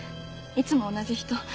いつも同じ人。